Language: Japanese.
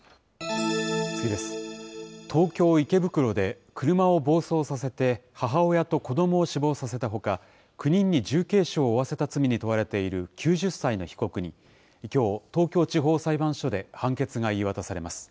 東京・池袋で車を暴走させて母親と子どもを死亡させたほか、９人に重軽傷を負わせた罪に問われている９０歳の被告に、きょう、東京地方裁判所で判決が言い渡されます。